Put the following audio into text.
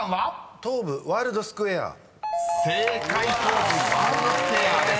「東武ワールドスクウェア」です］